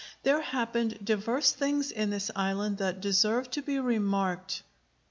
There happened divers things in this island that deserve to be remarked.